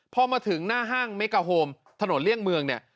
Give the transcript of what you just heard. พอมาถึงหน้าห้างเมกาโฮมถนนเลี่ยงเมืองเนี่ย